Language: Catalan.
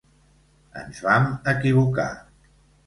Ens vam equivocar.